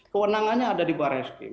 kewenangannya ada di barreskrim